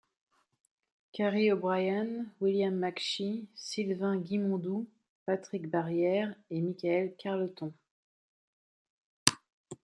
Carrie O’Brien, William McShea, Sylvain Guimondou, Patrick Barriere ett Michael Carleton.